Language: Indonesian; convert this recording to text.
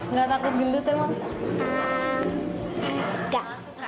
nggak takut gendut emang